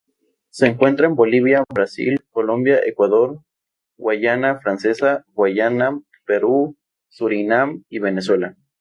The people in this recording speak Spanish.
Se encuentra en Bolivia, Brasil, Colombia, Ecuador, Guayana francesa, Guyana, Perú, Surinam y Venezuela.